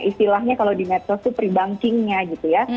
istilahnya kalau di netso itu pre banking nya gitu ya